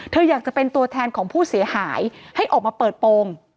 อยากจะเป็นตัวแทนของผู้เสียหายให้ออกมาเปิดโปรง